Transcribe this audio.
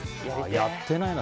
やってないな。